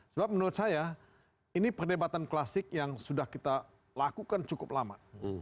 sebab menurut saya ini perdebatan klasik yang sudah kita lakukan cukup lama